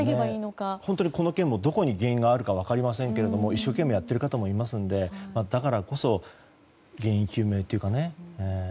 この件も、どこに原因があるのか分かりませんが一生懸命やっている方もいますのでだからこそ原因究明というか。